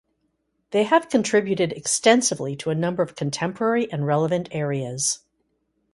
They have contributed extensively to a number of contemporary and relevant areas.